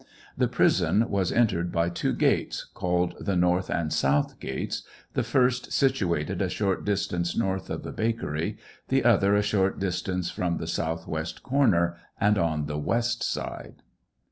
The prison was entered by two gates, called the north and south gates, the first situated a short distance north of the bakery, the other a short distance from the southwest corner and on the west side.